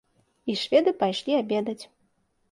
І шведы пайшлі абедаць.